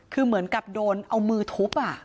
คือเหมือนกับโดนเอามือทุบ